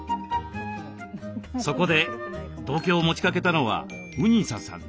そこで同居を持ちかけたのはうにささん。